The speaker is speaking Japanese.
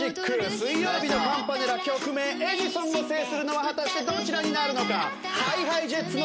水曜日のカンパネラ曲名『エジソン』を制するのは果たしてどちらになるのか！？ＨｉＨｉＪｅｔｓの